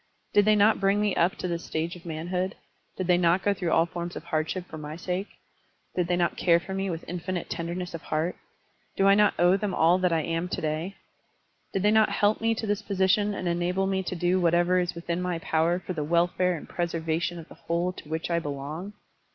Did they not bring me up to this st£ige of manhood? Did they not go through all forms of hardship for my sake? Did they not care for me with infinite tenderness of heart? Do I not owe them all that I am to day? Did they not help me to this position and enable me to do whatever is within my power for the wel fare and preservation of the whole to which I belong?